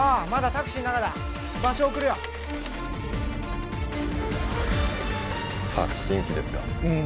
タクシーの中だ場所を送るよ発信機ですかうん